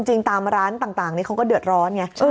ตามร้านต่างนี้เขาก็เดือดร้อนไง